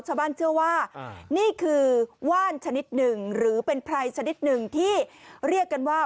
ชาวบ้านเชื่อว่านี่คือว่านชนิดหนึ่งหรือเป็นไพรชนิดหนึ่งที่เรียกกันว่า